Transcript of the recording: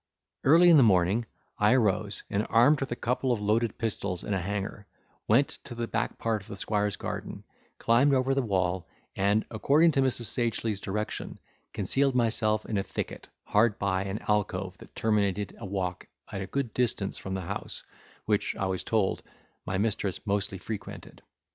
Early in the morning I arose, and armed with a couple of loaded pistols and a hanger, went to the back part of the squire's garden, climbed over the wall, and, according to Mrs. Sagely's direction, concealed myself in a thicket, hard by an alcove that terminated a walk at a good distance from the house, which (I was told) my mistress mostly frequented.